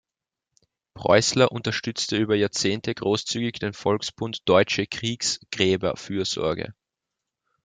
Preußler unterstützte über Jahrzehnte großzügig den Volksbund Deutsche Kriegsgräberfürsorge.